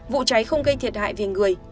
vụ cháy không gây thiệt hại về người